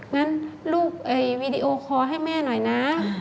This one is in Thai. งั้นลูกวีดีโอคอร์ให้แม่หน่อยนะ